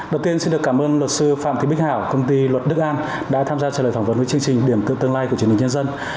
đầu tiên xin được cảm ơn luật sư phạm thị bích hảo công ty luật đức an đã tham gia trả lời phỏng vấn với chương trình điểm tương lai của truyền hình nhân dân